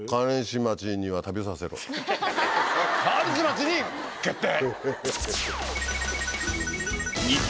川西町に決定！